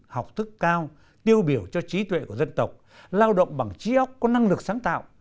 học thức cao tiêu biểu cho trí tuệ của dân tộc lao động bằng trí ốc có năng lực sáng tạo